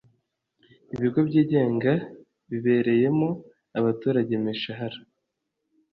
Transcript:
Ibigo byigenga bibereyemo abaturage imishahara